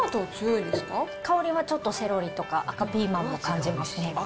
香りはちょっとセロリとか、赤ピーマンも感じますね。